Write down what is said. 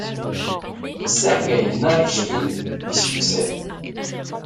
Sergueï Narychkine lui succède.